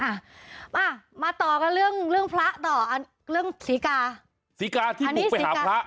อ่ามามาต่อกันเรื่องเรื่องพระต่อเรื่องศรีกาศรีกาที่บุกไปหาพระ